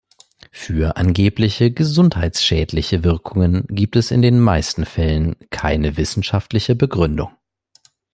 Für angebliche gesundheitsschädliche Wirkungen gibt es in den meisten Fällen keine wissenschaftliche Begründung.